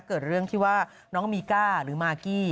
เกิดเรื่องที่ว่าน้องมีก้าหรือมากกี้